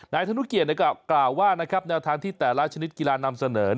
ธนุเกียรติกล่าวว่าแนวทางที่แต่ละชนิดกีฬานำเสนอ